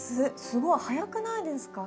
すごい早くないですか？